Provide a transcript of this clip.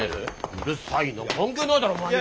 うるさいな関係ないだろお前には。